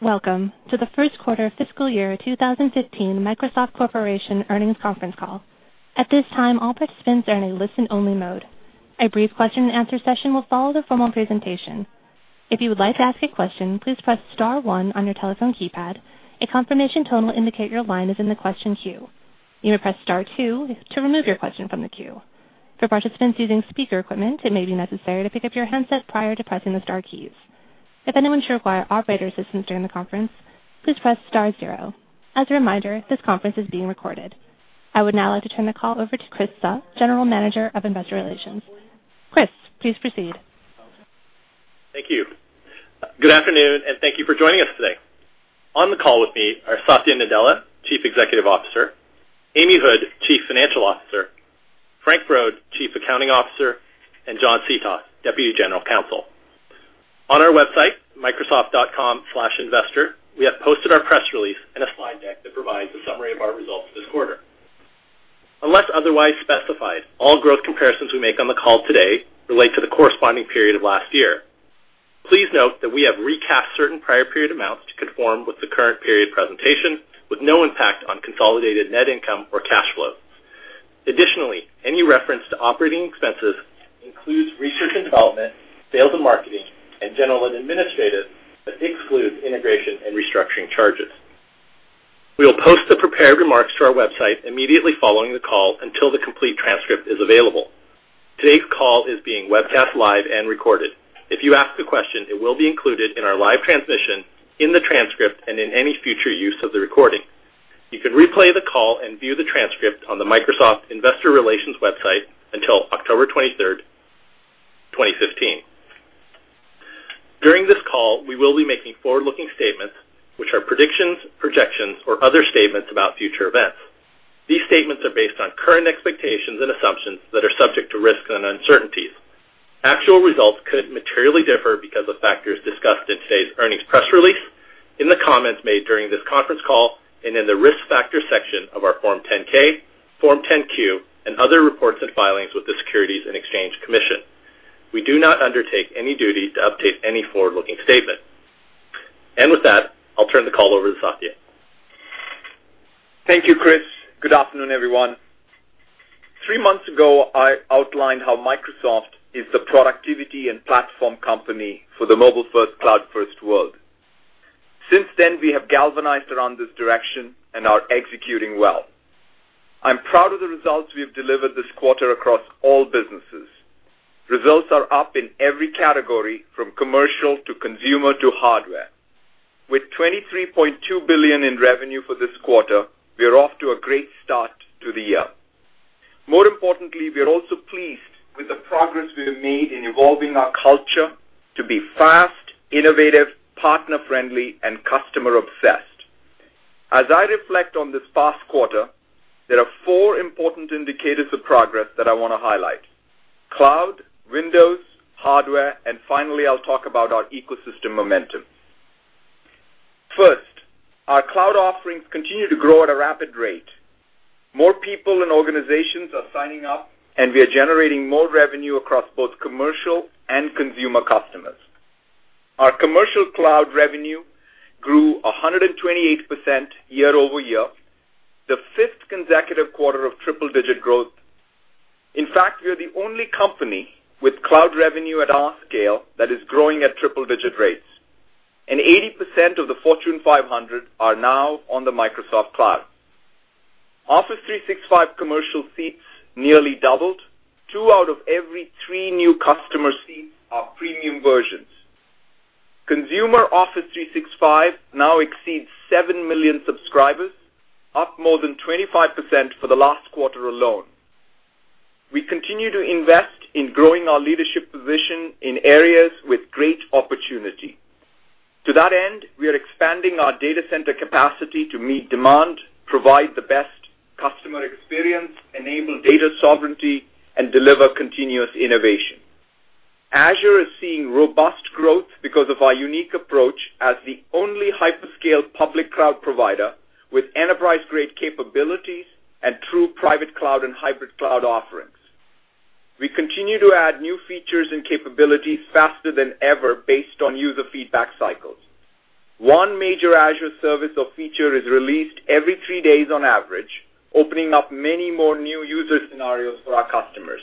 Welcome to the first quarter fiscal year 2015 Microsoft Corporation earnings conference call. At this time, all participants are in a listen-only mode. A brief question and answer session will follow the formal presentation. If you would like to ask a question, please press star one on your telephone keypad. A confirmation tone will indicate your line is in the question queue. You may press star two to remove your question from the queue. For participants using speaker equipment, it may be necessary to pick up your handsets prior to pressing the star keys. If anyone should require operator assistance during the conference, please press star zero. As a reminder, this conference is being recorded. I would now like to turn the call over to Chris Suh, General Manager of Investor Relations. Chris, please proceed. Thank you. Good afternoon, thank you for joining us today. On the call with me are Satya Nadella, Chief Executive Officer, Amy Hood, Chief Financial Officer, Frank Brod, Chief Accounting Officer, and John Seethoff, Deputy General Counsel. On our website, microsoft.com/investor, we have posted our press release and a slide deck that provides a summary of our results this quarter. Unless otherwise specified, all growth comparisons we make on the call today relate to the corresponding period of last year. Please note that we have recapped certain prior period amounts to conform with the current period presentation with no impact on consolidated net income or cash flow. Additionally, any reference to operating expenses includes research and development, sales and marketing, and general and administrative, but excludes integration and restructuring charges. We will post the prepared remarks to our website immediately following the call until the complete transcript is available. Today's call is being webcast live and recorded. If you ask a question, it will be included in our live transmission, in the transcript, and in any future use of the recording. You can replay the call and view the transcript on the Microsoft Investor Relations website until October 23rd, 2015. During this call, we will be making forward-looking statements, which are predictions, projections, or other statements about future events. These statements are based on current expectations and assumptions that are subject to risks and uncertainties. Actual results could materially differ because of factors discussed in today's earnings press release, in the comments made during this conference call, and in the risk factor section of our Form 10-K, Form 10-Q, and other reports and filings with the Securities and Exchange Commission. We do not undertake any duty to update any forward-looking statement. With that, I'll turn the call over to Satya. Thank you, Chris. Good afternoon, everyone. Three months ago, I outlined how Microsoft is the productivity and platform company for the mobile-first, cloud-first world. Since then, we have galvanized around this direction and are executing well. I'm proud of the results we have delivered this quarter across all businesses. Results are up in every category, from commercial to consumer to hardware. With $23.2 billion in revenue for this quarter, we are off to a great start to the year. More importantly, we are also pleased with the progress we have made in evolving our culture to be fast, innovative, partner-friendly, and customer obsessed. As I reflect on this past quarter, there are four important indicators of progress that I want to highlight: cloud, Windows, hardware, and finally, I'll talk about our ecosystem momentum. First, our cloud offerings continue to grow at a rapid rate. More people and organizations are signing up, we are generating more revenue across both commercial and consumer customers. Our commercial cloud revenue grew 128% year-over-year, the fifth consecutive quarter of triple-digit growth. In fact, we are the only company with cloud revenue at our scale that is growing at triple-digit rates, 80% of the Fortune 500 are now on the Microsoft Cloud. Office 365 commercial seats nearly doubled. Two out of every three new customer seats are premium versions. Consumer Office 365 now exceeds seven million subscribers, up more than 25% for the last quarter alone. We continue to invest in growing our leadership position in areas with great opportunity. To that end, we are expanding our data center capacity to meet demand, provide the best customer experience, enable data sovereignty, and deliver continuous innovation. Azure is seeing robust growth because of our unique approach as the only hyperscale public cloud provider with enterprise-grade capabilities and true private cloud and hybrid cloud offerings. We continue to add new features and capabilities faster than ever based on user feedback cycles. One major Azure service or feature is released every three days on average, opening up many more new user scenarios for our customers.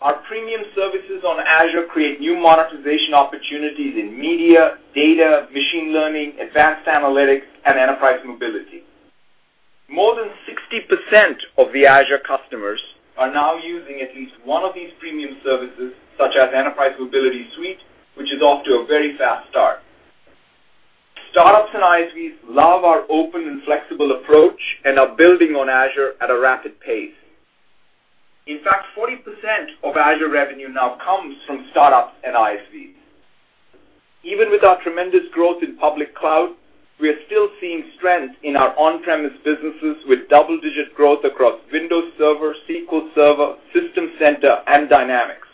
Our premium services on Azure create new monetization opportunities in media, data, machine learning, advanced analytics, and Enterprise Mobility. More than 60% of the Azure customers are now using at least one of these premium services, such as Enterprise Mobility Suite, which is off to a very fast start. Startups and ISVs love our open and flexible approach and are building on Azure at a rapid pace. In fact, 40% of Azure revenue now comes from startups and ISVs. Even with our tremendous growth in public cloud, we are still seeing strength in our on-premise businesses with double-digit growth across Windows Server, SQL Server, System Center, and Dynamics.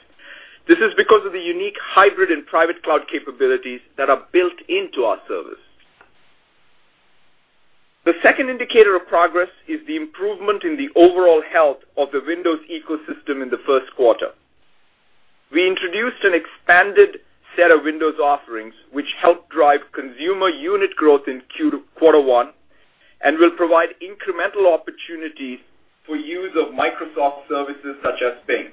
This is because of the unique hybrid and private cloud capabilities that are built into our service. The second indicator of progress is the improvement in the overall health of the Windows ecosystem in the first quarter. We introduced an expanded set of Windows offerings, which helped drive consumer unit growth in quarter one and will provide incremental opportunities for use of Microsoft services such as Bing.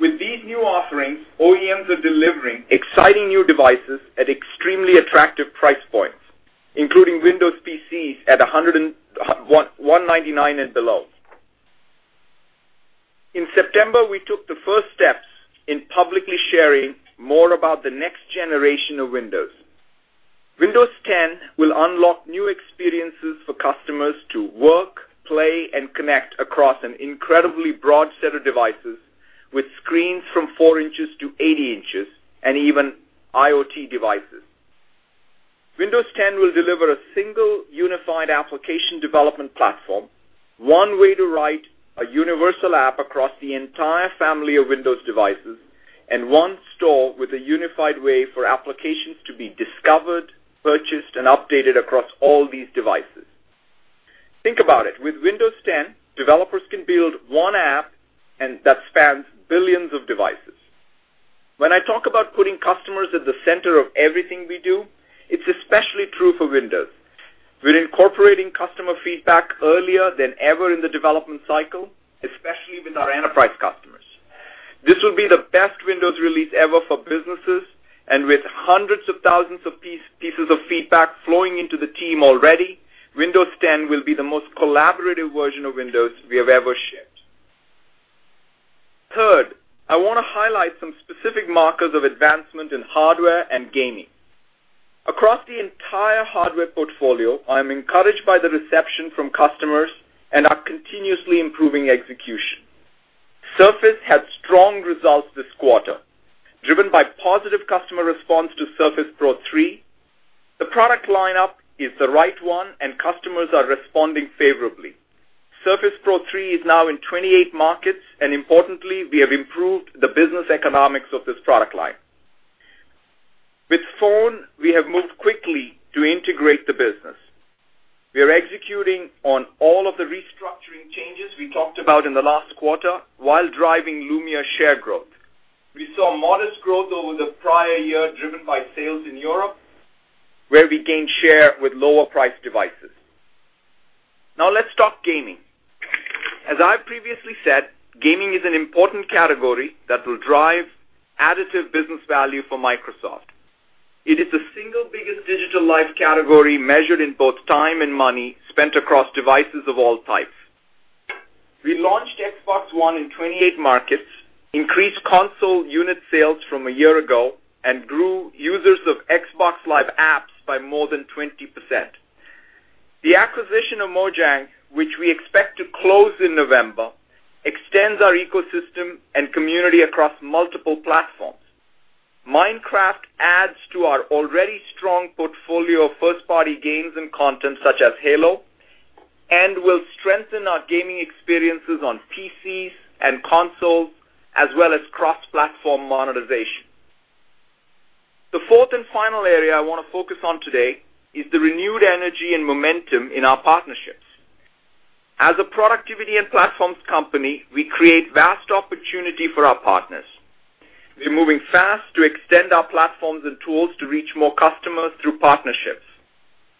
With these new offerings, OEMs are delivering exciting new devices at extremely attractive price points, including Windows PCs at $199 and below. In September, we took the first steps in publicly sharing more about the next generation of Windows. Windows 10 will unlock new experiences for customers to work, play, and connect across an incredibly broad set of devices with screens from four inches to 80 inches and even IoT devices. Windows 10 will deliver a single unified application development platform, one way to write a universal app across the entire family of Windows devices, and one store with a unified way for applications to be discovered, purchased, and updated across all these devices. Think about it. With Windows 10, developers can build one app that spans billions of devices. When I talk about putting customers at the center of everything we do, it's especially true for Windows. We're incorporating customer feedback earlier than ever in the development cycle, especially with our enterprise customers. This will be the best Windows release ever for businesses. With hundreds of thousands of pieces of feedback flowing into the team already, Windows 10 will be the most collaborative version of Windows we have ever shipped. Third, I want to highlight some specific markers of advancement in hardware and gaming. Across the entire hardware portfolio, I am encouraged by the reception from customers and our continuously improving execution. Surface had strong results this quarter, driven by positive customer response to Surface Pro 3. The product lineup is the right one, and customers are responding favorably. Surface Pro 3 is now in 28 markets, and importantly, we have improved the business economics of this product line. With Phone, we have moved quickly to integrate the business. We are executing on all of the restructuring changes we talked about in the last quarter while driving Lumia share growth. We saw modest growth over the prior year driven by sales in Europe, where we gained share with lower-priced devices. Now let's talk gaming. As I previously said, gaming is an important category that will drive additive business value for Microsoft. It is the single biggest digital life category measured in both time and money spent across devices of all types. We launched Xbox One in 28 markets, increased console unit sales from a year ago, and grew users of Xbox Live apps by more than 20%. The acquisition of Mojang, which we expect to close in November, extends our ecosystem and community across multiple platforms. Minecraft adds to our already strong portfolio of first-party games and content such as Halo and will strengthen our gaming experiences on PCs and consoles, as well as cross-platform monetization. The fourth and final area I want to focus on today is the renewed energy and momentum in our partnerships. As a productivity and platforms company, we create vast opportunity for our partners. We're moving fast to extend our platforms and tools to reach more customers through partnerships.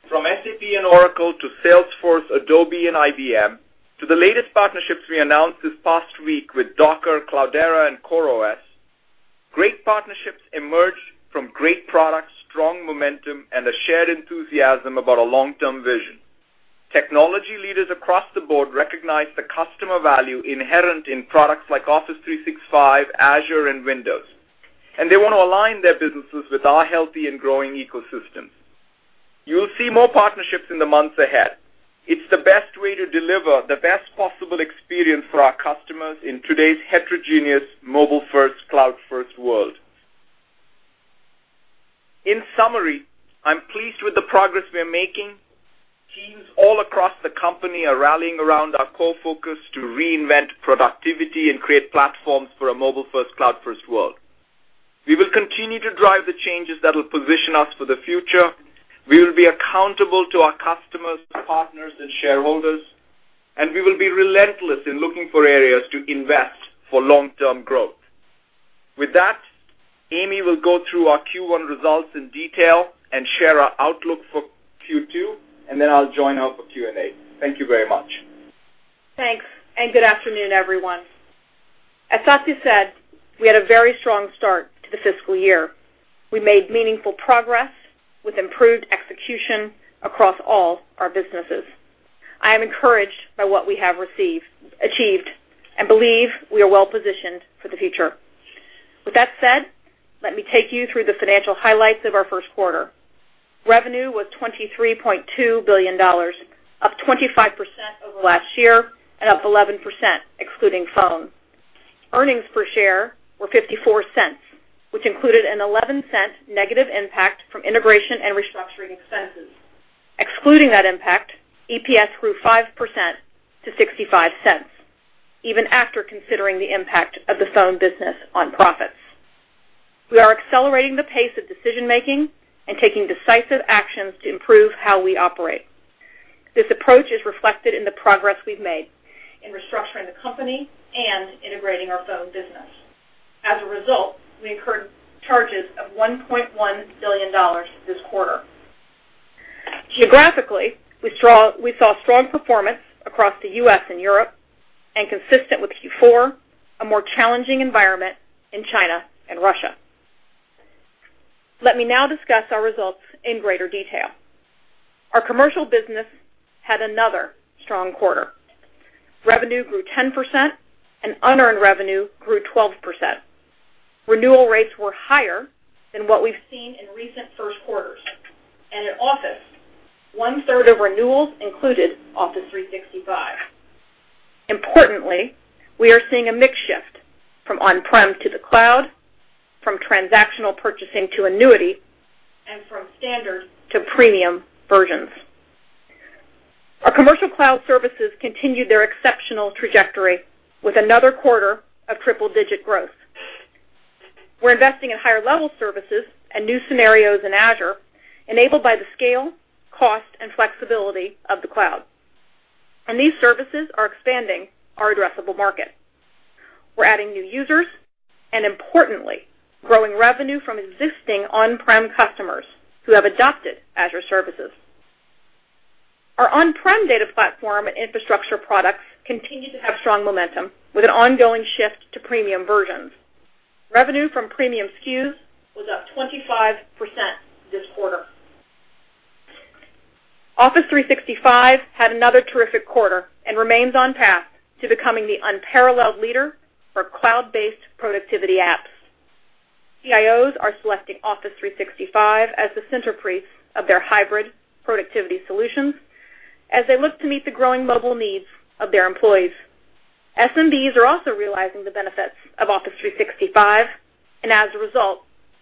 From SAP and Oracle to Salesforce, Adobe, and IBM, to the latest partnerships we announced this past week with Docker, Cloudera, and CoreOS, great partnerships emerge from great products, strong momentum, and a shared enthusiasm about a long-term vision. Technology leaders across the board recognize the customer value inherent in products like Office 365, Azure, and Windows. They want to align their businesses with our healthy and growing ecosystem. You will see more partnerships in the months ahead. It's the best way to deliver the best possible experience for our customers in today's heterogeneous mobile-first, cloud-first world. In summary, I'm pleased with the progress we are making. Teams all across the company are rallying around our core focus to reinvent productivity and create platforms for a mobile-first, cloud-first world. We will continue to drive the changes that will position us for the future. We will be accountable to our customers, partners, and shareholders, and we will be relentless in looking for areas to invest for long-term growth. With that, Amy will go through our Q1 results in detail and share our outlook for Q2, then I'll join her for Q&A. Thank you very much. Thanks, good afternoon, everyone. As Satya said, we had a very strong start to the fiscal year. We made meaningful progress with improved execution across all our businesses. I am encouraged by what we have achieved and believe we are well positioned for the future. With that said, let me take you through the financial highlights of our first quarter. Revenue was $23.2 billion, up 25% over last year and up 11% excluding Phone. Earnings per share were $0.54, which included an $0.11 negative impact from integration and restructuring expenses. Excluding that impact, EPS grew 5% to $0.65, even after considering the impact of the Phone business on profits. We are accelerating the pace of decision-making and taking decisive actions to improve how we operate. This approach is reflected in the progress we've made in restructuring the company and integrating our phone business. As a result, we incurred charges of $1.1 billion this quarter. Geographically, we saw strong performance across the U.S. and Europe, and consistent with Q4, a more challenging environment in China and Russia. Let me now discuss our results in greater detail. Our commercial business had another strong quarter. Revenue grew 10% and unearned revenue grew 12%. Renewal rates were higher than what we've seen in recent first quarters, and in Office, one-third of renewals included Office 365. Importantly, we are seeing a mix shift from on-prem to the cloud, from transactional purchasing to annuity, and from standard to premium versions. Our commercial cloud services continued their exceptional trajectory with another quarter of triple-digit growth. We're investing in higher-level services and new scenarios in Azure enabled by the scale, cost, and flexibility of the cloud. These services are expanding our addressable market. We're adding new users, and importantly, growing revenue from existing on-prem customers who have adopted Azure services. Our on-prem data platform and infrastructure products continue to have strong momentum with an ongoing shift to premium versions. Revenue from premium SKUs was up 25% this quarter. Office 365 had another terrific quarter and remains on path to becoming the unparalleled leader for cloud-based productivity apps. CIOs are selecting Office 365 as the centerpiece of their hybrid productivity solutions as they look to meet the growing mobile needs of their employees. SMBs are also realizing the benefits of Office 365, and as a result,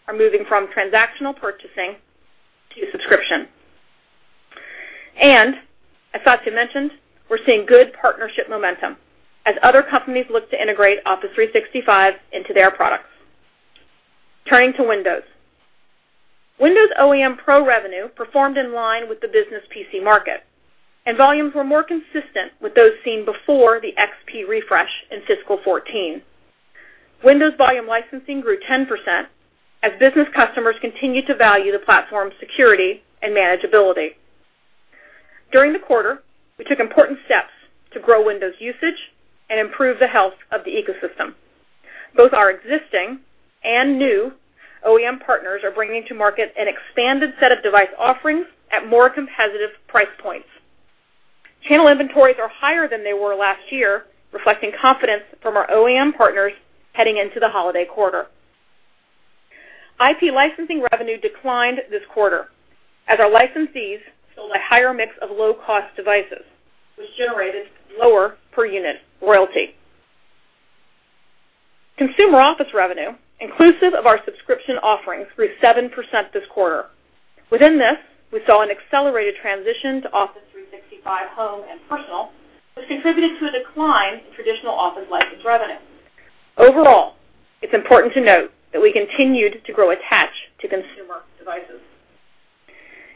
are moving from transactional purchasing to subscription. As Satya mentioned, we're seeing good partnership momentum as other companies look to integrate Office 365 into their products. Turning to Windows. Windows OEM Pro revenue performed in line with the business PC market, volumes were more consistent with those seen before the XP refresh in fiscal 2014. Windows volume licensing grew 10% as business customers continued to value the platform's security and manageability. During the quarter, we took important steps to grow Windows usage and improve the health of the ecosystem. Both our existing and new OEM partners are bringing to market an expanded set of device offerings at more competitive price points. Channel inventories are higher than they were last year, reflecting confidence from our OEM partners heading into the holiday quarter. IP licensing revenue declined this quarter as our licensees sold a higher mix of low-cost devices, which generated lower per-unit royalty. Consumer Office revenue, inclusive of our subscription offerings, grew 7% this quarter. Within this, we saw an accelerated transition to Office 365 Home and Personal, which contributed to a decline in traditional Office license revenue. Overall, it's important to note that we continued to grow attach to consumer devices.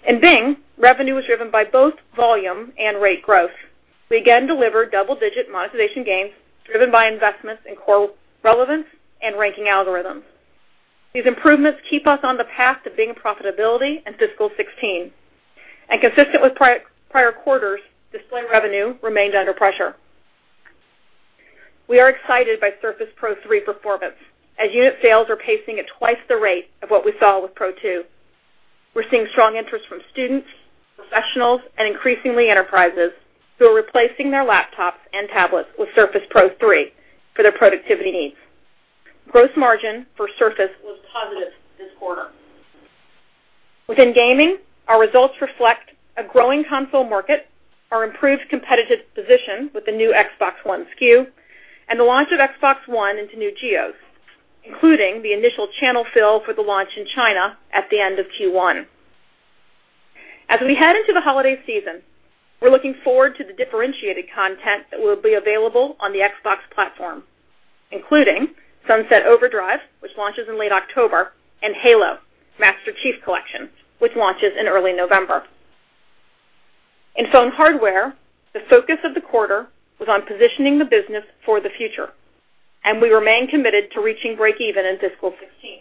In Bing, revenue was driven by both volume and rate growth. We again delivered double-digit monetization gains driven by investments in core relevance and ranking algorithms. These improvements keep us on the path to Bing profitability in fiscal 2016. Consistent with prior quarters, display revenue remained under pressure. We are excited by Surface Pro 3 performance as unit sales are pacing at twice the rate of what we saw with Pro 2. We're seeing strong interest from students, professionals, and increasingly, enterprises who are replacing their laptops and tablets with Surface Pro 3 for their productivity needs. Gross margin for Surface was positive this quarter. Within gaming, our results reflect a growing console market, our improved competitive position with the new Xbox One SKU, the launch of Xbox One into new geos, including the initial channel fill for the launch in China at the end of Q1. As we head into the holiday season, we're looking forward to the differentiated content that will be available on the Xbox platform, including "Sunset Overdrive," which launches in late October, "Halo: Master Chief Collection," which launches in early November. In Phone hardware, the focus of the quarter was on positioning the business for the future, we remain committed to reaching breakeven in fiscal 2016.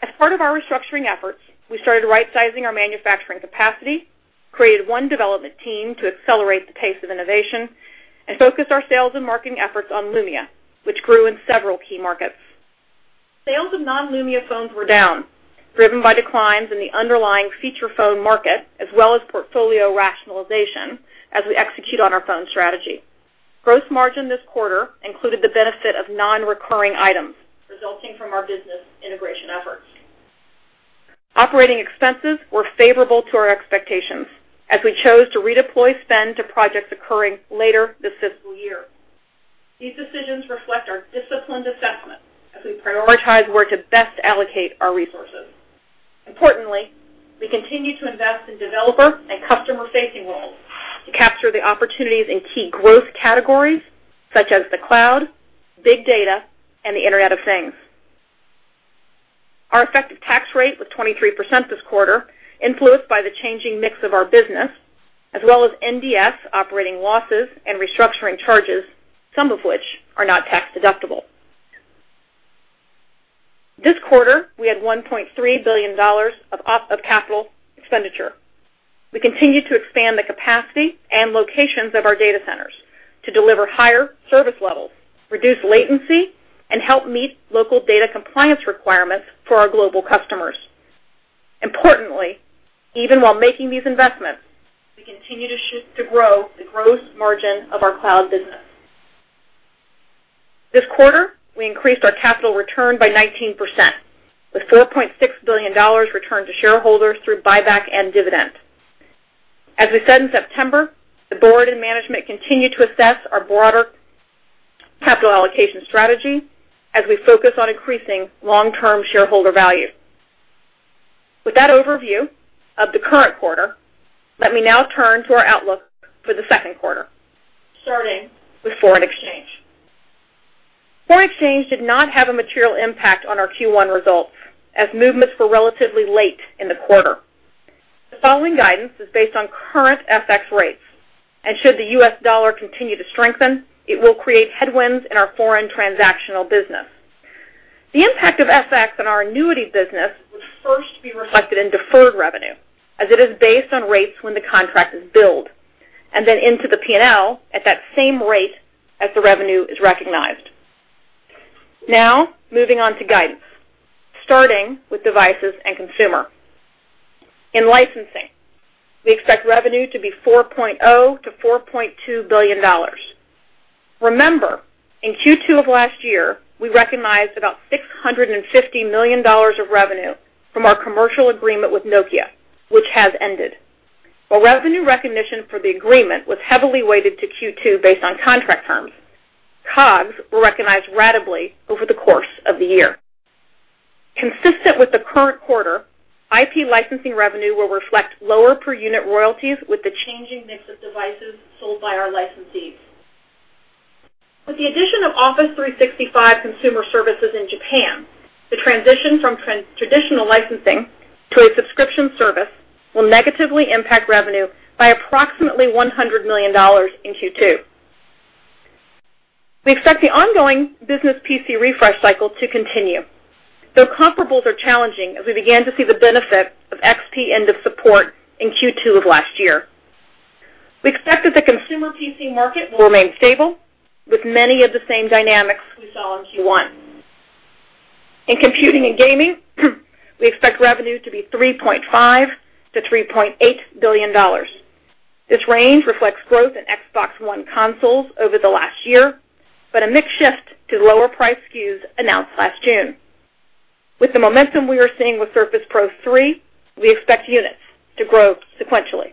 As part of our restructuring efforts, we started right-sizing our manufacturing capacity, created one development team to accelerate the pace of innovation, and focused our sales and marketing efforts on Lumia, which grew in several key markets. Sales of non-Lumia phones were down, driven by declines in the underlying feature phone market as well as portfolio rationalization as we execute on our phone strategy. Gross margin this quarter included the benefit of non-recurring items resulting from our business integration efforts. Operating expenses were favorable to our expectations as we chose to redeploy spend to projects occurring later this fiscal year. These decisions reflect our disciplined assessment as we prioritize where to best allocate our resources. Importantly, we continue to invest in developer and customer-facing roles to capture the opportunities in key growth categories such as the cloud, big data, and the Internet of Things. Our effective tax rate was 23% this quarter, influenced by the changing mix of our business, as well as NDS's operating losses and restructuring charges, some of which are not tax-deductible. This quarter, we had $1.3 billion of capital expenditure. We continue to expand the capacity and locations of our data centers to deliver higher service levels, reduce latency, and help meet local data compliance requirements for our global customers. Importantly, even while making these investments, we continue to grow the gross margin of our cloud business. This quarter, we increased our capital return by 19%, with $4.6 billion returned to shareholders through buyback and dividend. As we said in September, the board and management continue to assess our broader capital allocation strategy as we focus on increasing long-term shareholder value. With that overview of the current quarter, let me now turn to our outlook for the second quarter, starting with foreign exchange. Foreign exchange did not have a material impact on our Q1 results, as movements were relatively late in the quarter. The following guidance is based on current FX rates, and should the US dollar continue to strengthen, it will create headwinds in our foreign transactional business. The impact of FX on our annuity business would first be reflected in deferred revenue, as it is based on rates when the contract is billed, and then into the P&L at that same rate as the revenue is recognized. Moving on to guidance, starting with devices and consumer. In licensing, we expect revenue to be $4.0 billion-$4.2 billion. Remember, in Q2 of last year, we recognized about $650 million of revenue from our commercial agreement with Nokia, which has ended. While revenue recognition for the agreement was heavily weighted to Q2 based on contract terms, COGS were recognized ratably over the course of the year. Consistent with the current quarter, IP licensing revenue will reflect lower per-unit royalties with the changing mix of devices sold by our licensees. With the addition of Office 365 consumer services in Japan, the transition from traditional licensing to a subscription service will negatively impact revenue by approximately $100 million in Q2. We expect the ongoing business PC refresh cycle to continue, though comparables are challenging as we began to see the benefit of XP end of support in Q2 of last year. We expect that the consumer PC market will remain stable, with many of the same dynamics we saw in Q1. In computing and gaming, we expect revenue to be $3.5 billion-$3.8 billion. This range reflects growth in Xbox One consoles over the last year, but a mix shift to lower priced SKUs announced last June. With the momentum we are seeing with Surface Pro 3, we expect units to grow sequentially.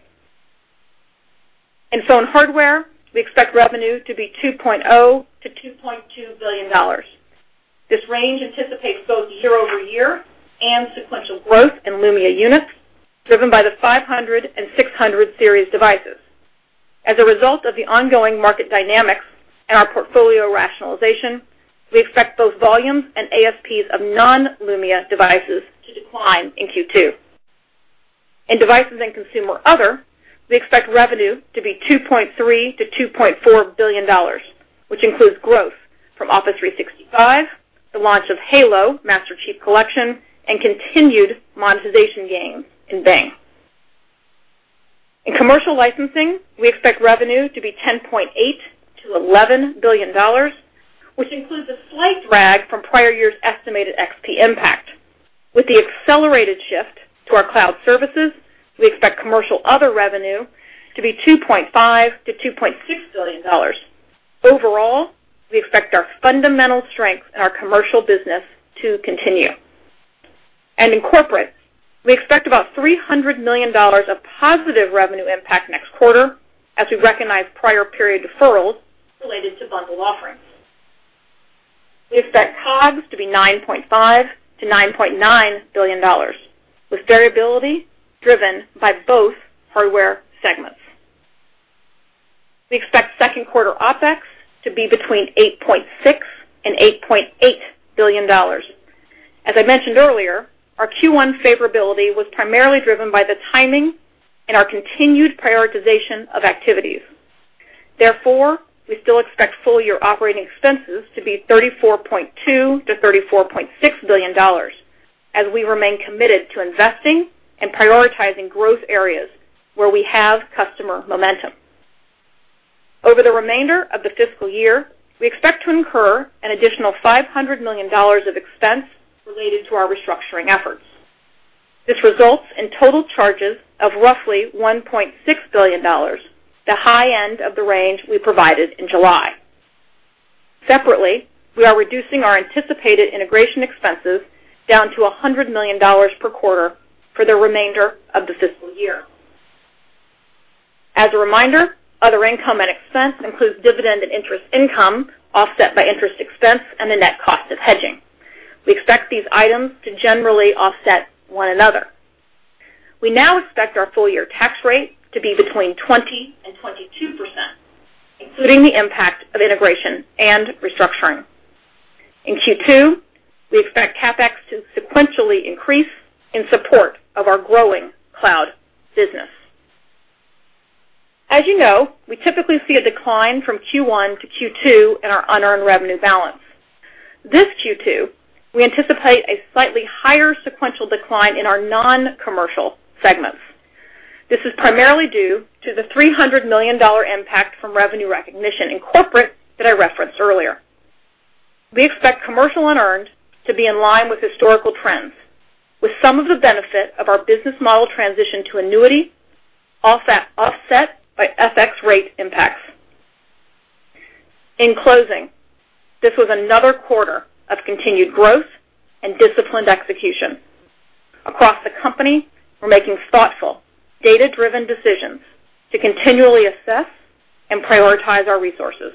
In phone hardware, we expect revenue to be $2.0 billion-$2.2 billion. This range anticipates both year-over-year and sequential growth in Lumia units, driven by the 500 and 600 series devices. As a result of the ongoing market dynamics and our portfolio rationalization, we expect both volumes and ASPs of non-Lumia devices to decline in Q2. In devices and consumer other, we expect revenue to be $2.3 billion-$2.4 billion, which includes growth from Office 365, the launch of Halo: The Master Chief Collection, and continued monetization gains in Bing. In commercial licensing, we expect revenue to be $10.8 billion-$11 billion, which includes a slight drag from prior year's estimated XP impact. With the accelerated shift to our cloud services, we expect commercial other revenue to be $2.5 billion-$2.6 billion. Overall, we expect our fundamental strength in our commercial business to continue. In corporate, we expect about $300 million of positive revenue impact next quarter as we recognize prior period deferrals related to bundled offerings. We expect COGS to be $9.5 billion-$9.9 billion, with variability driven by both hardware segments. We expect second quarter OPEX to be between $8.6 billion and $8.8 billion. As I mentioned earlier, our Q1 favorability was primarily driven by the timing and our continued prioritization of activities. Therefore, we still expect full-year operating expenses to be $34.2 billion-$34.6 billion, as we remain committed to investing in prioritizing growth areas where we have customer momentum. Over the remainder of the fiscal year, we expect to incur an additional $500 million of expense related to our restructuring efforts. This results in total charges of roughly $1.6 billion, the high end of the range we provided in July. Separately, we are reducing our anticipated integration expenses down to $100 million per quarter for the remainder of the fiscal year. As a reminder, other income and expense includes dividend and interest income offset by interest expense and the net cost of hedging. We expect these items to generally offset one another. We now expect our full-year tax rate to be between 20%-22%, including the impact of integration and restructuring. In Q2, we expect CapEx to sequentially increase in support of our growing cloud business. As you know, we typically see a decline from Q1 to Q2 in our unearned revenue balance. This Q2, we anticipate a slightly higher sequential decline in our non-commercial segments. This is primarily due to the $300 million impact from revenue recognition in corporate that I referenced earlier. We expect commercial unearned to be in line with historical trends, with some of the benefit of our business model transition to annuity offset by FX rate impacts. In closing, this was another quarter of continued growth and disciplined execution. Across the company, we're making thoughtful, data-driven decisions to continually assess and prioritize our resources.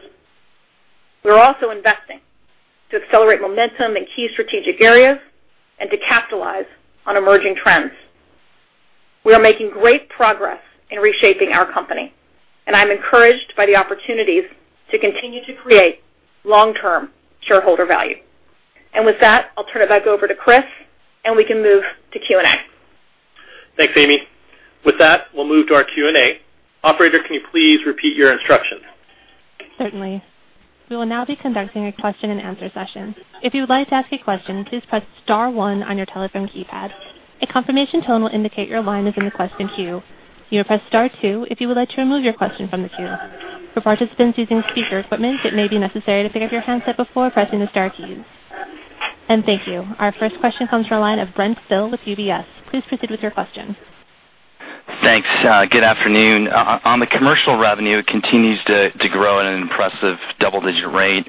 We're also investing to accelerate momentum in key strategic areas and to capitalize on emerging trends. We are making great progress in reshaping our company, and I'm encouraged by the opportunities to continue to create long-term shareholder value. With that, I'll turn it back over to Chris, and we can move to Q&A. Thanks, Amy. With that, we'll move to our Q&A. Operator, can you please repeat your instructions? Certainly. We will now be conducting a question and answer session. If you would like to ask a question, please press *1 on your telephone keypad. A confirmation tone will indicate your line is in the question queue. You may press *2 if you would like to remove your question from the queue. For participants using speaker equipment, it may be necessary to pick up your handset before pressing the star keys. Thank you. Our first question comes from the line of Brent Thill with UBS. Please proceed with your question. Thanks. Good afternoon. On the commercial revenue, it continues to grow at an impressive double-digit rate.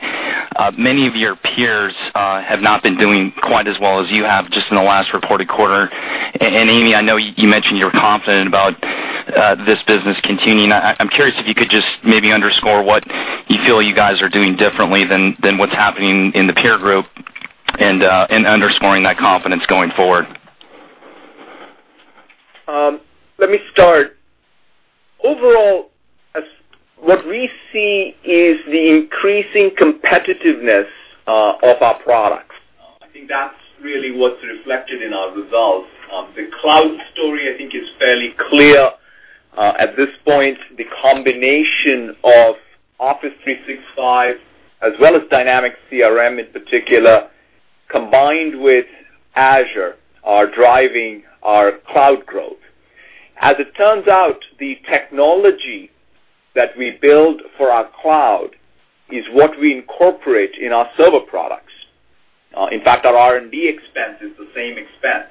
Many of your peers have not been doing quite as well as you have just in the last reported quarter. Amy, I know you mentioned you're confident about this business continuing. I'm curious if you could just maybe underscore what you feel you guys are doing differently than what's happening in the peer group and underscoring that confidence going forward. Let me start. Overall, what we see is the increasing competitiveness of our products. I think that's really what's reflected in our results. The cloud story, I think, is fairly clear. At this point, the combination of Office 365 as well as Dynamics CRM in particular, combined with Azure, are driving our cloud growth. As it turns out, the technology that we build for our cloud is what we incorporate in our server products. In fact, our R&D expense is the same expense.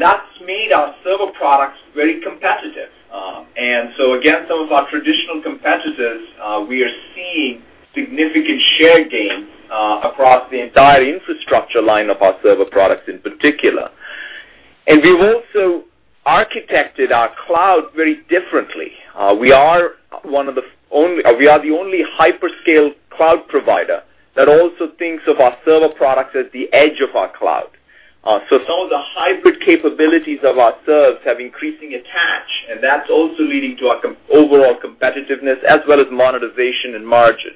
That's made our server products very competitive. Again, some of our traditional competitors, we are seeing significant share gains across the entire infrastructure line of our server products in particular. We've also architected our cloud very differently. We are the only hyperscale cloud provider that also thinks of our server products as the edge of our cloud. Some of the hybrid capabilities of our servers have increasing attach, that's also leading to our overall competitiveness as well as monetization and margin.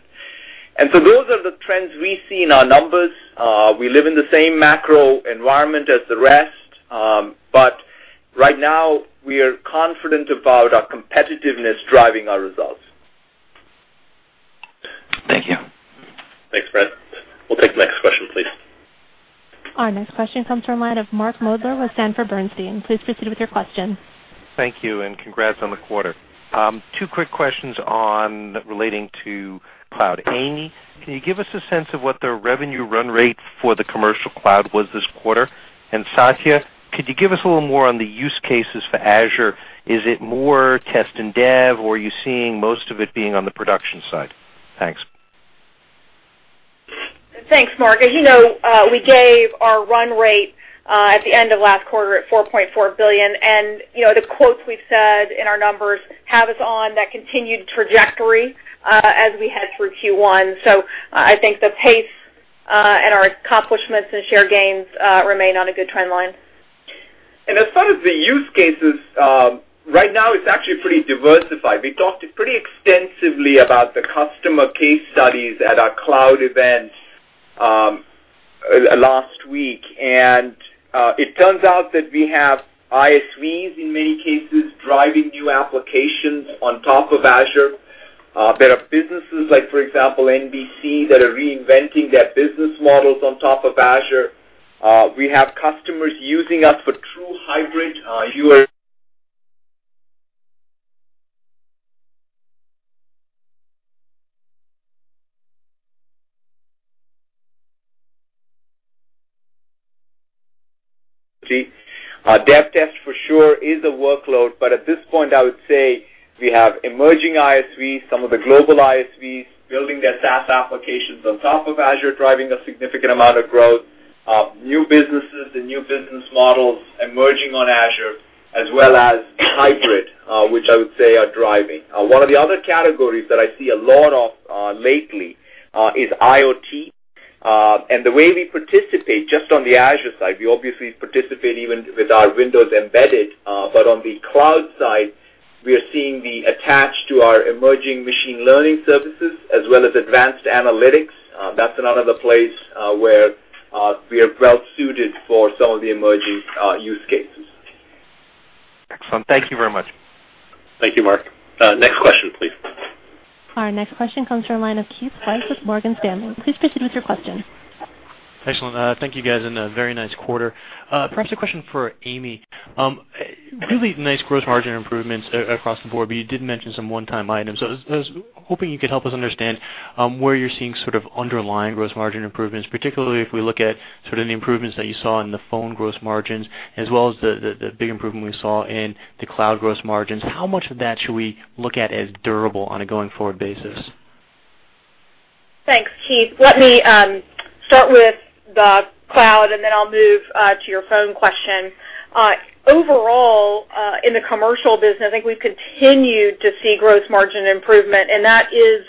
Those are the trends we see in our numbers. We live in the same macro environment as the rest. Right now, we are confident about our competitiveness driving our results. Thank you. Thanks, Brent. We'll take the next question, please. Our next question comes from the line of Mark Moerdler with Sanford Bernstein. Please proceed with your question. Thank you. Congrats on the quarter. Two quick questions relating to cloud. Amy, can you give us a sense of what the revenue run rate for the commercial cloud was this quarter? Satya, could you give us a little more on the use cases for Azure? Is it more test and dev, or are you seeing most of it being on the production side? Thanks. Thanks, Mark. As you know, we gave our run rate at the end of last quarter at $4.4 billion. The quotes we've said in our numbers have us on that continued trajectory as we head through Q1. I think the pace and our accomplishments and share gains remain on a good trend line. As far as the use cases, right now it's actually pretty diversified. We talked pretty extensively about the customer case studies at our cloud event last week. It turns out that we have ISVs in many cases driving new applications on top of Azure. There are businesses like, for example, NBC, that are reinventing their business models on top of Azure. We have customers using us for true hybrid use Dev test for sure is a workload, but at this point, I would say we have emerging ISVs, some of the global ISVs building their SaaS applications on top of Azure, driving a significant amount of growth. New businesses, the new business models emerging on Azure, as well as hybrid, which I would say are driving. One of the other categories that I see a lot of lately is IoT. The way we participate just on the Azure side, we obviously participate even with our Windows Embedded. On the cloud side, we are seeing the attach to our emerging machine learning services, as well as advanced analytics. That's another place where we are well-suited for some of the emerging use cases. Excellent. Thank you very much. Thank you, Mark. Next question, please. Our next question comes from the line of Keith Weiss with Morgan Stanley. Please proceed with your question. Excellent. Thank you, guys, and a very nice quarter. Perhaps a question for Amy. Really nice gross margin improvements across the board, but you did mention some one-time items. I was hoping you could help us understand where you're seeing underlying gross margin improvements, particularly if we look at the improvements that you saw in the phone gross margins as well as the big improvement we saw in the cloud gross margins. How much of that should we look at as durable on a going-forward basis? Thanks, Keith. Let me start with the cloud, then I'll move to your phone question. Overall, in the commercial business, I think we've continued to see gross margin improvement, and that is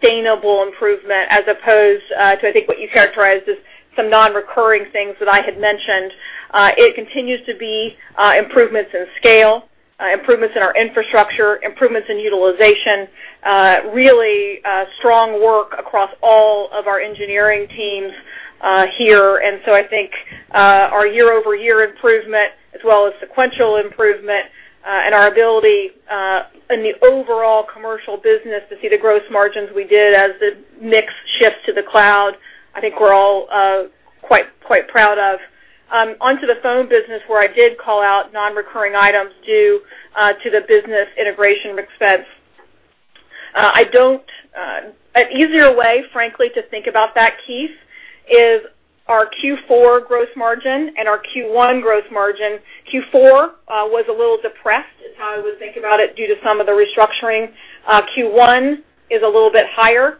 sustainable improvement as opposed to, I think, what you characterized as some non-recurring things that I had mentioned. It continues to be improvements in scale, improvements in our infrastructure, improvements in utilization, really strong work across all of our engineering teams here. I think our year-over-year improvement as well as sequential improvement and our ability in the overall commercial business to see the gross margins we did as the mix shift to the cloud, I think we're all quite proud of. Onto the phone business where I did call out non-recurring items due to the business integration expense. An easier way, frankly, to think about that, Keith, is our Q4 gross margin and our Q1 gross margin. Q4 was a little depressed, is how I would think about it, due to some of the restructuring. Q1 is a little bit higher.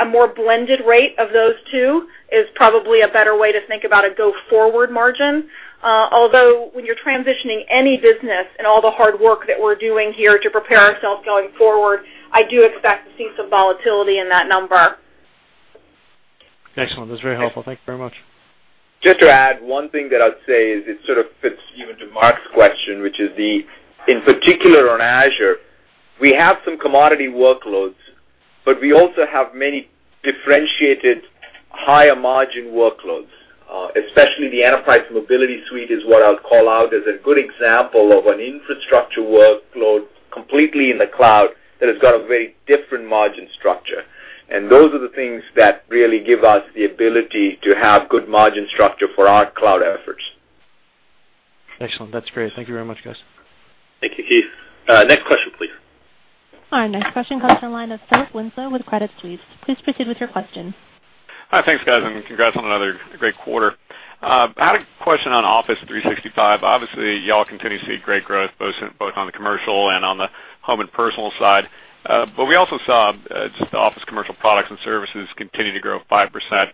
A more blended rate of those two is probably a better way to think about a go-forward margin. Although when you're transitioning any business and all the hard work that we're doing here to prepare ourselves going forward, I do expect to see some volatility in that number. Excellent. That's very helpful. Thank you very much. Just to add one thing that I'd say is it sort of fits even to Mark's question, which is the, in particular on Azure, we have some commodity workloads, but we also have many differentiated higher margin workloads. Especially the Enterprise Mobility Suite is what I'll call out as a good example of an infrastructure workload completely in the cloud that has got a very different margin structure. Those are the things that really give us the ability to have good margin structure for our cloud efforts. Excellent. That's great. Thank you very much, guys. Thank you, Keith. Next question, please. Our next question comes from the line of Philip Winslow with Credit Suisse. Please proceed with your question. Hi. Thanks, guys. Congrats on another great quarter. I had a question on Office 365. Obviously, you all continue to see great growth both on the commercial and on the home and personal side. We also saw just the Office commercial products and services continue to grow 5%.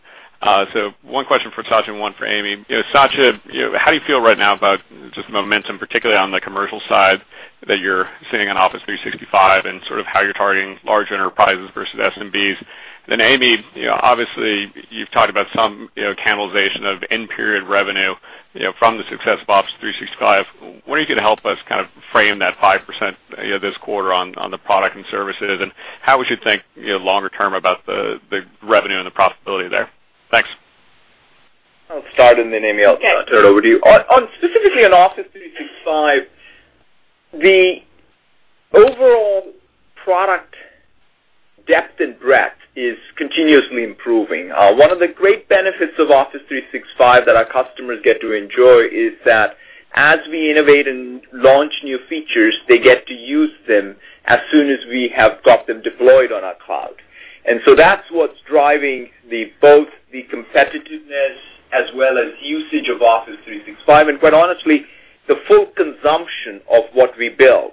One question for Satya and one for Amy. Satya, how do you feel right now about just momentum, particularly on the commercial side that you're seeing on Office 365 and how you're targeting large enterprises versus SMBs? Amy, obviously you've talked about some cannibalization of end-period revenue from the success of Office 365. Wondering if you could help us frame that 5% this quarter on the product and services, and how we should think longer term about the revenue and the profitability there. Thanks. I'll start. Amy, I'll turn it over to you. Okay. Specifically on Office 365, the overall product depth and breadth is continuously improving. One of the great benefits of Office 365 that our customers get to enjoy is that as we innovate and launch new features, they get to use them as soon as we have got them deployed on our cloud. That's what's driving both the competitiveness as well as usage of Office 365, and quite honestly, the full consumption of what we build,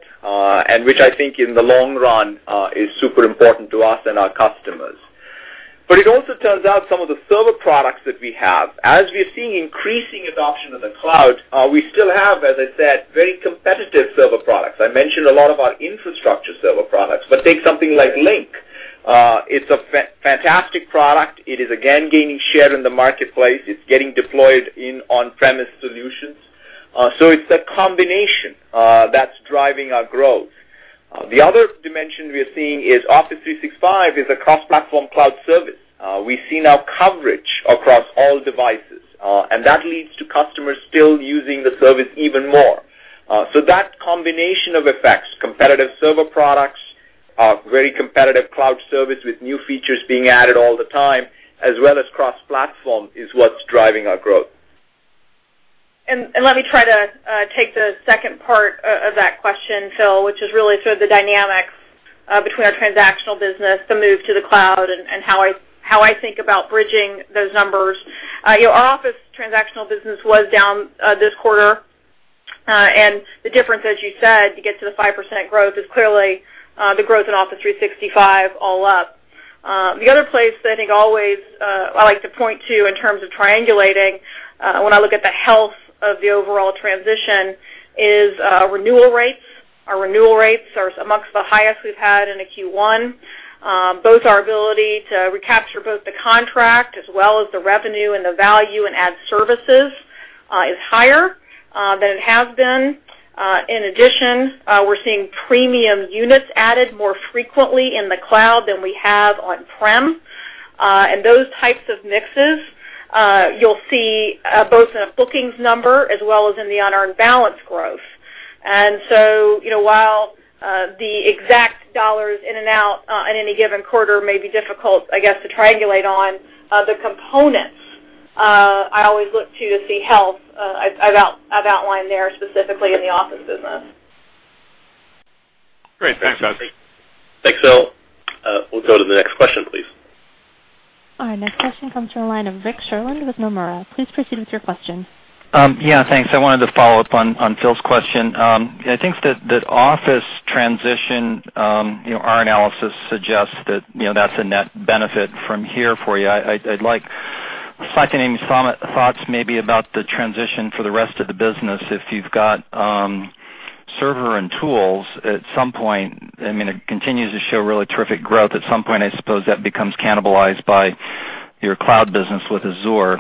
which I think in the long run is super important to us and our customers. It also turns out some of the server products that we have, as we're seeing increasing adoption of the cloud, we still have, as I said, very competitive server products. I mentioned a lot of our infrastructure server products, but take something like Lync. It's a fantastic product. It is again gaining share in the marketplace. It's getting deployed in on-premise solutions. It's a combination that's driving our growth. The other dimension we are seeing is Office 365 is a cross-platform cloud service. We've seen our coverage across all devices, that leads to customers still using the service even more. That combination of effects, competitive server products, very competitive cloud service with new features being added all the time, as well as cross-platform, is what's driving our growth. Let me try to take the second part of that question, Phil, which is really the dynamics between our transactional business, the move to the cloud, and how I think about bridging those numbers. Our Office transactional business was down this quarter. The difference, as you said, to get to the 5% growth is clearly the growth in Office 365 all up. The other place that I think always I like to point to in terms of triangulating, when I look at the health of the overall transition is our renewal rates. Our renewal rates are amongst the highest we've had in a Q1. Both our ability to recapture both the contract as well as the revenue and the value and add services is higher than it has been. In addition, we're seeing premium units added more frequently in the cloud than we have on-prem. Those types of mixes, you'll see both in a bookings number as well as in the unearned balance growth. While the exact dollars in and out on any given quarter may be difficult, I guess, to triangulate on the components I always look to see health I've outlined there specifically in the Office business. Great. Thanks, Phil. Thanks, Phil. We'll go to the next question, please. Our next question comes from the line of Rick Sherlund with Nomura. Please proceed with your question. Yeah, thanks. I wanted to follow up on Phil's question. I think that Office transition, our analysis suggests that's a net benefit from here for you. Satya, any thoughts maybe about the transition for the rest of the business if you've got server and tools at some point, I mean, it continues to show really terrific growth. At some point, I suppose that becomes cannibalized by your cloud business with Azure.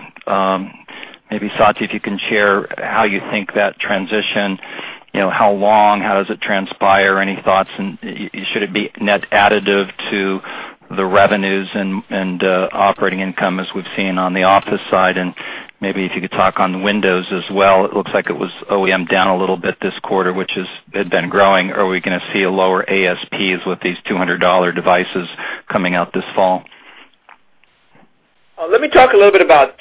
Maybe Satya, if you can share how you think that transition, how long, how does it transpire, any thoughts, and should it be net additive to the revenues and operating income as we've seen on the Office side and maybe if you could talk on Windows as well. It looks like it was OEM down a little bit this quarter, which had been growing. Are we going to see lower ASPs with these $200 devices coming out this fall? Let me talk a little bit about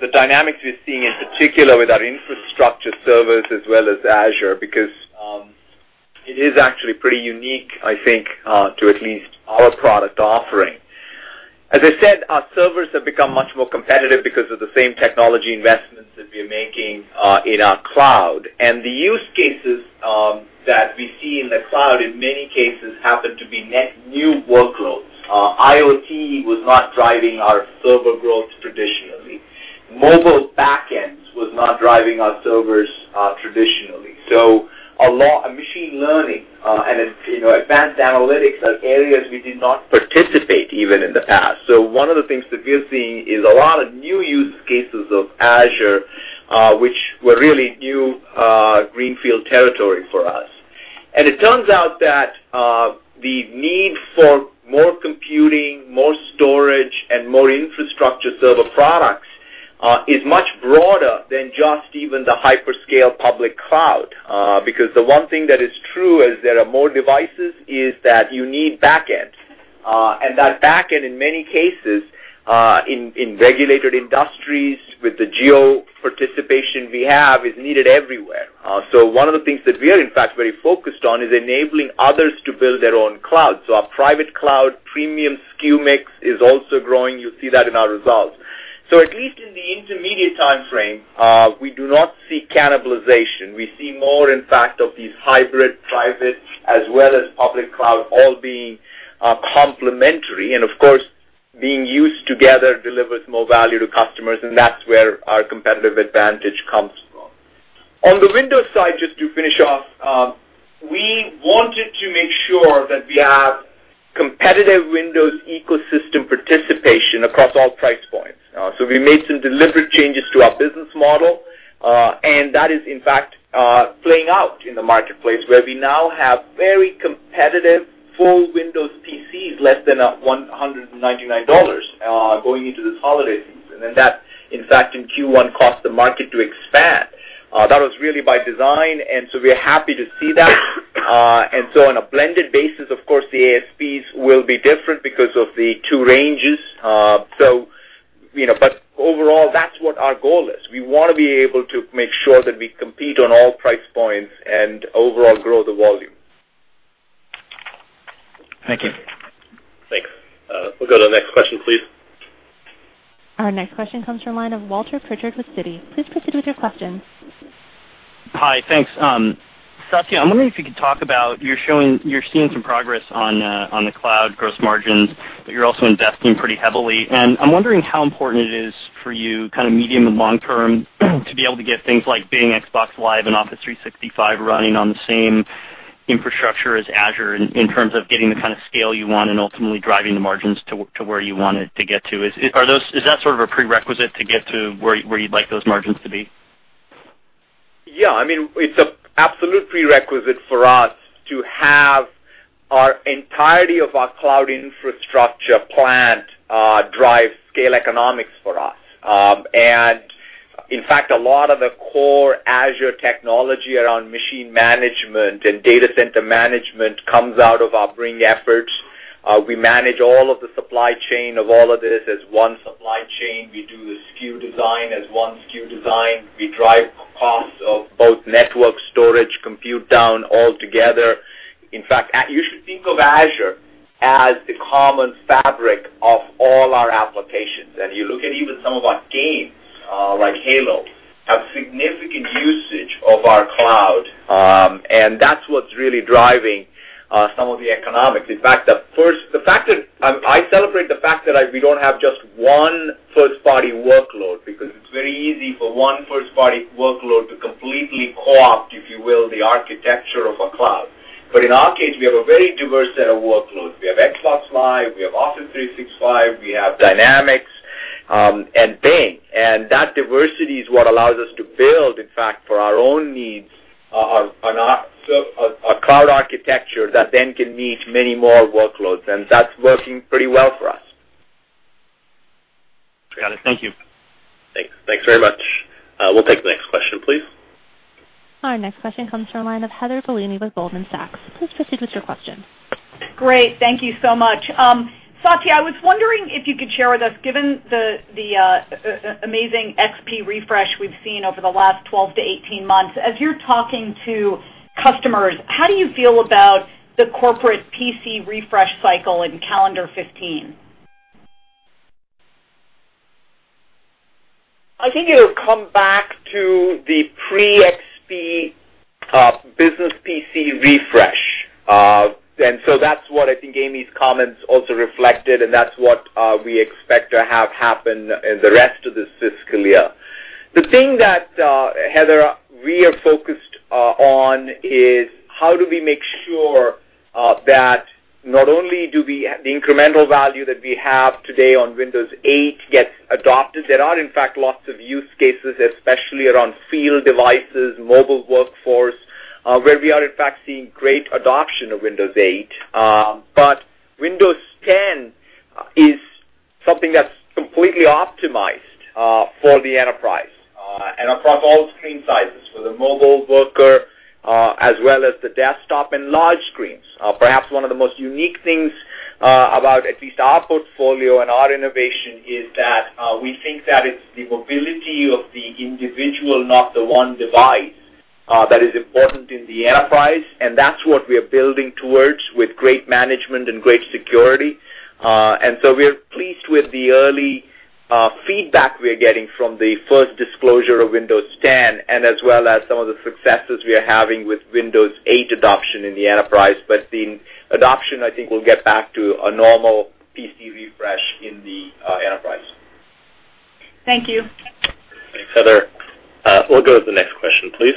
the dynamics we're seeing, in particular with our infrastructure servers as well as Azure, because it is actually pretty unique, I think, to at least our product offering. As I said, our servers have become much more competitive because of the same technology investments that we're making in our cloud. The use cases that we see in the cloud in many cases happen to be net new workloads. IoT was not driving our server growth traditionally. Mobile backends was not driving our servers traditionally. A lot of machine learning, and advanced analytics are areas we did not participate even in the past. One of the things that we're seeing is a lot of new use cases of Azure, which were really new greenfield territory for us. It turns out that the need for more computing, more storage, and more infrastructure server products, is much broader than just even the hyperscale public cloud. The one thing that is true as there are more devices is that you need backends. That backend in many cases, in regulated industries with the geo participation we have is needed everywhere. One of the things that we are in fact very focused on is enabling others to build their own cloud. Our private cloud premium SKU mix is also growing. You'll see that in our results. At least in the intermediate timeframe, we do not see cannibalization. We see more in fact of these hybrid private as well as public cloud all being complementary and of course being used together delivers more value to customers, and that's where our competitive advantage comes from. On the Windows side, just to finish off, we wanted to make sure that we have competitive Windows ecosystem participation across all price points. We made some deliberate changes to our business model, and that is in fact playing out in the marketplace where we now have very competitive full Windows PCs, less than $199 going into this holiday season. That in fact in Q1 caused the market to expand. That was really by design, we are happy to see that. On a blended basis, of course, the ASPs will be different because of the two ranges. Overall, that's what our goal is. We want to be able to make sure that we compete on all price points and overall grow the volume. Thank you. Thanks. We'll go to the next question, please. Our next question comes from the line of Walter Pritchard with Citi. Please proceed with your question. Hi, thanks. Satya, I'm wondering if you could talk about, you're seeing some progress on the cloud gross margins, but you're also investing pretty heavily, and I'm wondering how important it is for you medium and long term to be able to get things like Bing, Xbox Live, and Office 365 running on the same infrastructure as Azure in terms of getting the kind of scale you want and ultimately driving the margins to where you want it to get to. Is that sort of a prerequisite to get to where you'd like those margins to be? Yeah, it's an absolute prerequisite for us to have our entirety of our cloud infrastructure plant drive scale economics for us. In fact, a lot of the core Azure technology around machine management and data center management comes out of our Bing efforts. We manage all of the supply chain of all of this as one supply chain. We do the SKU design as one SKU design. We drive costs of both network storage, compute down all together. In fact, you should think of Azure as the common fabric of all our applications. You look at even some of our games, like Halo, have significant usage of our cloud, and that's what's really driving some of the economics. In fact, I celebrate the fact that we don't have just one first-party workload, because it's very easy for one first-party workload to completely co-opt, if you will, the architecture of a cloud. In our case, we have a very diverse set of workloads. We have Xbox Live, we have Office 365, we have Dynamics, and Bing. That diversity is what allows us to build, in fact, for our own needs, a cloud architecture that then can meet many more workloads, and that's working pretty well for us. Got it. Thank you. Thanks very much. We'll take the next question, please. Our next question comes from the line of Heather Bellini with Goldman Sachs. Please proceed with your question. Great. Thank you so much. Satya, I was wondering if you could share with us, given the amazing XP refresh we've seen over the last 12-18 months, as you're talking to customers, how do you feel about the corporate PC refresh cycle in calendar 2015? I think it'll come back to the pre-XP business PC refresh. That's what I think Amy's comments also reflected, and that's what we expect to have happen in the rest of this fiscal year. The thing that, Heather, we are focused on is how do we make sure that not only do the incremental value that we have today on Windows 8 gets adopted. There are, in fact, lots of use cases, especially around field devices, mobile workforce, where we are in fact seeing great adoption of Windows 8. Windows 10 is something that's completely optimized for the enterprise, and across all screen sizes, for the mobile worker, as well as the desktop and large screens. Perhaps one of the most unique things about at least our portfolio and our innovation is that we think that it's the mobility of the individual, not the one device, that is important in the enterprise, and that's what we're building towards with great management and great security. We are pleased with the early feedback we're getting from the first disclosure of Windows 10, and as well as some of the successes we are having with Windows 8 adoption in the enterprise. The adoption, I think, will get back to a normal PC refresh in the enterprise. Thank you. Thanks, Heather. We'll go to the next question, please.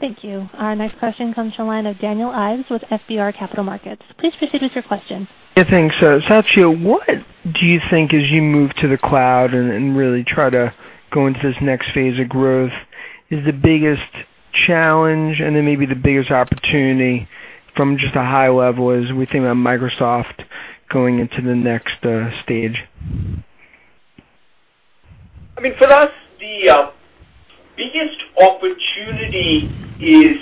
Thank you. Our next question comes from the line of Daniel Ives with FBR Capital Markets. Please proceed with your question. Yeah, thanks. Satya, what do you think, as you move to the cloud and really try to go into this next phase of growth, is the biggest challenge and then maybe the biggest opportunity from just a high level as we think about Microsoft going into the next stage? I mean, for us, the biggest opportunity is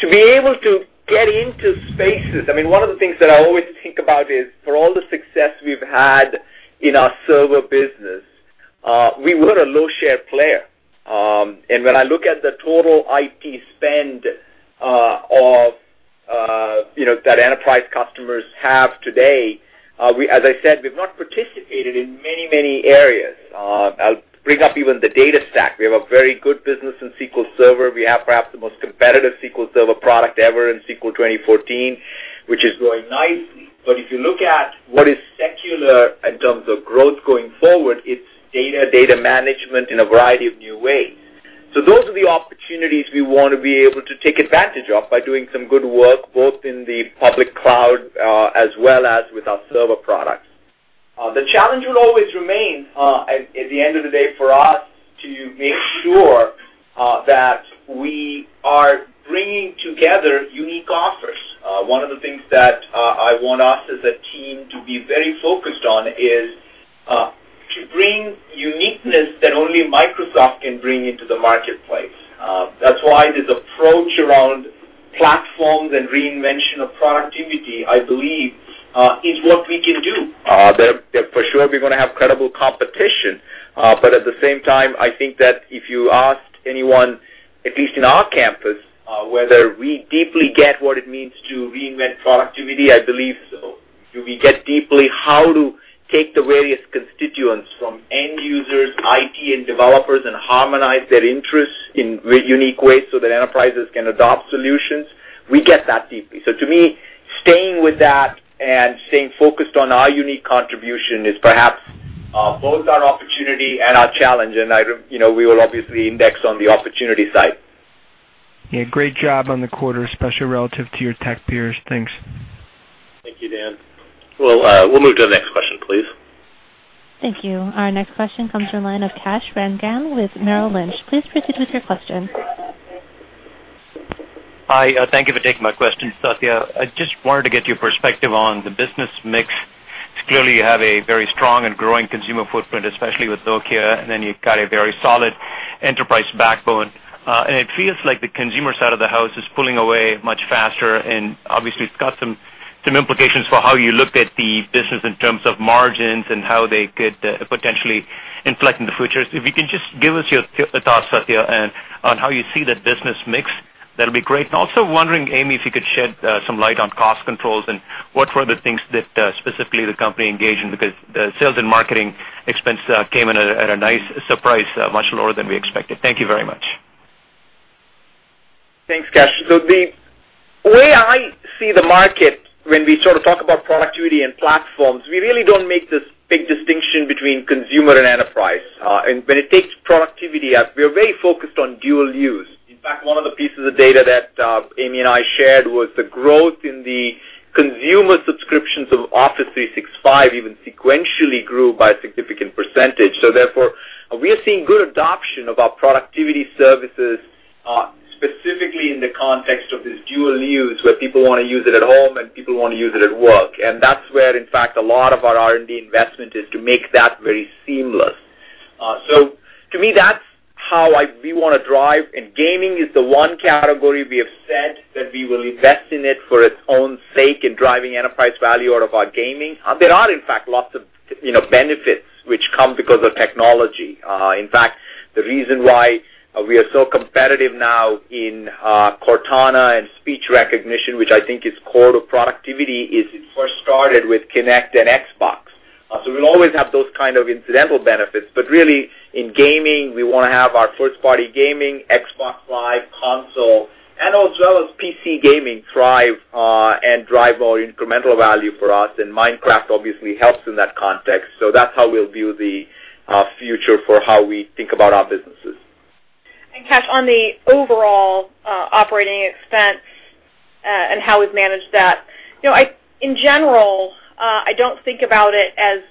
to be able to get into spaces. One of the things that I always think about is for all the success we've had in our server business, we were a low-share player. When I look at the total IT spend that enterprise customers have today, as I said, we've not participated in many, many areas. I'll bring up even the data stack. We have a very good business in SQL Server. We have perhaps the most competitive SQL Server product ever in SQL 2014, which is growing nicely. If you look at what is secular in terms of growth going forward, it's data management in a variety of new ways. Those are the opportunities we want to be able to take advantage of by doing some good work, both in the public cloud, as well as with our server products. The challenge will always remain, at the end of the day, for us to make sure that we are bringing together unique offers. One of the things that I want us as a team to be very focused on is to bring uniqueness that only Microsoft can bring into the marketplace. That's why this approach around platforms and reinvention of productivity, I believe, is what we can do. For sure, we're going to have credible competition. At the same time, I think that if you asked anyone, at least in our campus, whether we deeply get what it means to reinvent productivity, I believe so. Do we get deeply how to take the various constituents from end users, IT, and developers and harmonize their interests in very unique ways so that enterprises can adopt solutions? We get that deeply. To me, staying with that and staying focused on our unique contribution is perhaps both our opportunity and our challenge, and we will obviously index on the opportunity side. Yeah. Great job on the quarter, especially relative to your tech peers. Thanks. Thank you, Dan. We'll move to the next question, please. Thank you. Our next question comes from line of Kash Rangan with Merrill Lynch. Please proceed with your question. Hi. Thank you for taking my question. Satya, I just wanted to get your perspective on the business mix, because clearly, you have a very strong and growing consumer footprint, especially with Nokia, and then you've got a very solid enterprise backbone. It feels like the consumer side of the house is pulling away much faster, and obviously it's got some implications for how you look at the business in terms of margins and how they could potentially inflect in the future. If you can just give us your thoughts, Satya, on how you see the business mix, that'll be great. Also wondering, Amy, if you could shed some light on cost controls and what were the things that specifically the company engaged in, because the sales and marketing expense came in at a nice surprise, much lower than we expected. Thank you very much. Thanks, Kash. The way I see the market when we sort of talk about productivity and platforms, we really don't make this big distinction between consumer and enterprise. When it takes productivity up, we are very focused on dual use. In fact, one of the pieces of data that Amy and I shared was the growth in the consumer subscriptions of Office 365 even sequentially grew by a significant percentage. Therefore, we are seeing good adoption of our productivity services, specifically in the context of this dual use where people want to use it at home and people want to use it at work. That's where, in fact, a lot of our R&D investment is to make that very seamless. To me, that's how we want to drive. Gaming is the one category we have said that we will invest in it for its own sake in driving enterprise value out of our gaming. There are, in fact, lots of benefits which come because of technology. In fact, the reason why we are so competitive now in Cortana and speech recognition, which I think is core to productivity, is it first started with Kinect and Xbox. We'll always have those kind of incidental benefits. Really, in gaming, we want to have our first-party gaming, Xbox Live console, and also as PC gaming thrive and drive more incremental value for us. Minecraft obviously helps in that context. That's how we'll view the future for how we think about our businesses. Kash, on the overall operating expense, and how we've managed that, in general, I don't think about it as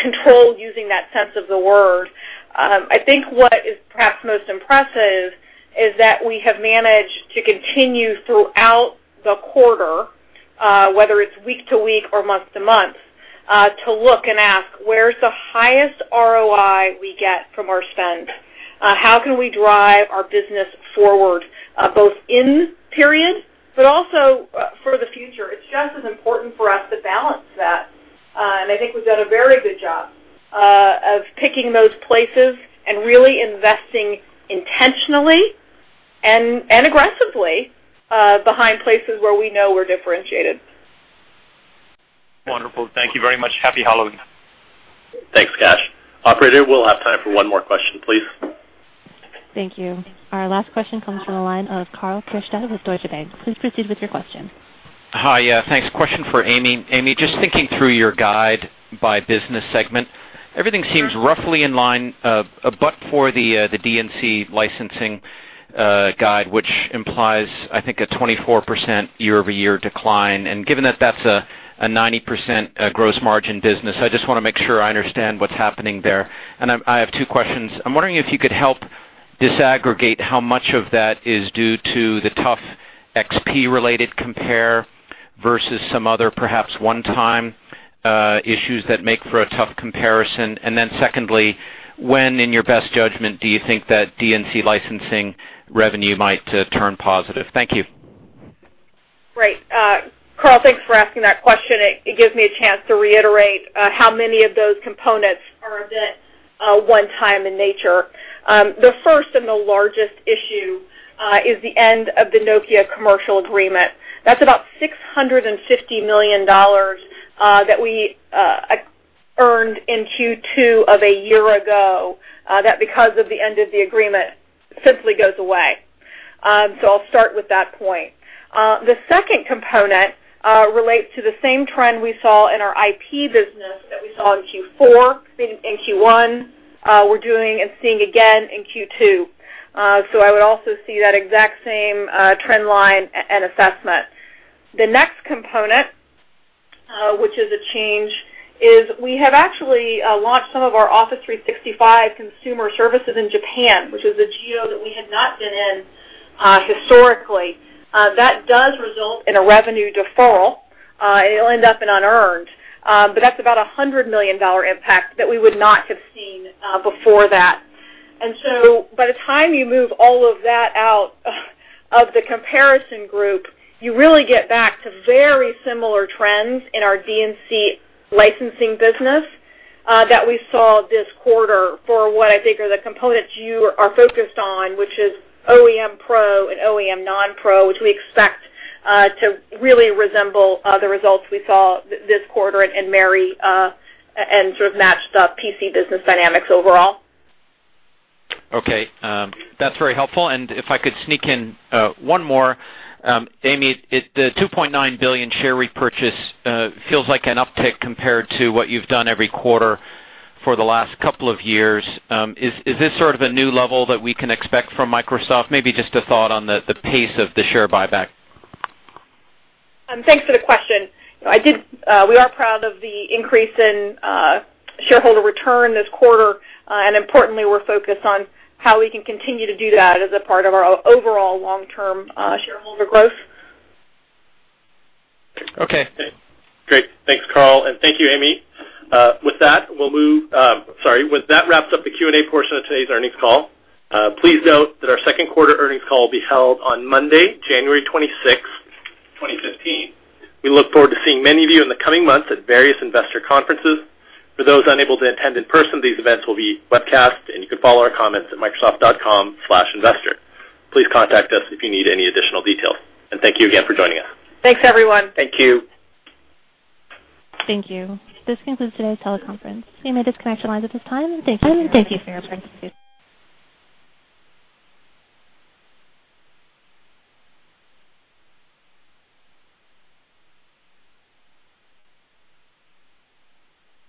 controlled using that sense of the word. I think what is perhaps most impressive is that we have managed to continue throughout the quarter, whether it's week to week or month to month, to look and ask, "Where's the highest ROI we get from our spend? How can we drive our business forward, both in this period, but also for the future?" It's just as important for us to balance that. I think we've done a very good job of picking those places and really investing intentionally and aggressively behind places where we know we're differentiated. Wonderful. Thank you very much. Happy Halloween. Thanks, Kash. Operator, we'll have time for one more question, please. Thank you. Our last question comes from the line of Karl Keirstead with Deutsche Bank. Please proceed with your question. Hi. Thanks. Question for Amy. Amy, just thinking through your guide by business segment, everything seems roughly in line but for the D&C licensing guide, which implies, I think, a 24% year-over-year decline. Given that that's a 90% gross margin business, I just want to make sure I understand what's happening there. I have two questions. I'm wondering if you could help disaggregate how much of that is due to the tough XP related compare versus some other perhaps one-time issues that make for a tough comparison. Then secondly, when in your best judgment, do you think that D&C licensing revenue might turn positive? Thank you. Great. Karl, thanks for asking that question. It gives me a chance to reiterate how many of those components are one-time in nature. The first and the largest issue is the end of the Nokia commercial agreement. That's about $650 million that we earned in Q2 of a year ago, that because of the end of the agreement simply goes away. I'll start with that point. The second component relates to the same trend we saw in our IP business that we saw in Q4 and Q1. We're doing and seeing again in Q2. I would also see that exact same trend line and assessment. The next component, which is a change, is we have actually launched some of our Office 365 consumer services in Japan, which is a geo that we had not been in historically. That does result in a revenue deferral. It'll end up in unearned. That's about $100 million impact that we would not have seen before that. By the time you move all of that out of the comparison group, you really get back to very similar trends in our D&C licensing business that we saw this quarter for what I think are the components you are focused on, which is OEM pro and OEM non-pro, which we expect to really resemble the results we saw this quarter and marry and sort of match the PC business dynamics overall. Okay. That's very helpful. If I could sneak in one more. Amy, the $2.9 billion share repurchase feels like an uptick compared to what you've done every quarter for the last couple of years. Is this sort of a new level that we can expect from Microsoft? Maybe just a thought on the pace of the share buyback. Thanks for the question. We are proud of the increase in shareholder return this quarter. Importantly, we're focused on how we can continue to do that as a part of our overall long-term shareholder growth. Okay. Great. Thanks, Karl, and thank you, Amy. With that wraps up the Q&A portion of today's earnings call. Please note that our second quarter earnings call will be held on Monday, January 26th, 2015. We look forward to seeing many of you in the coming months at various investor conferences. For those unable to attend in person, these events will be webcast, and you can follow our comments at microsoft.com/investor. Please contact us if you need any additional details, and thank you again for joining us. Thanks, everyone. Thank you. Thank you. This concludes today's teleconference. You may disconnect your lines at this time, and thank you for your participation.